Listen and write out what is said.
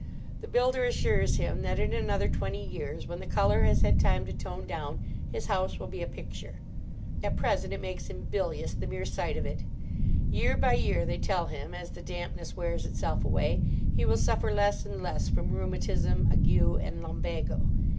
The builder assures him that in another twenty years, when the colour has had time to tone down, his house will be a picture. At present it makes him bilious, the mere sight of it. Year by year, they tell him, as the dampness wears itself away, he will suffer less and less from rheumatism, ague, and lumbago.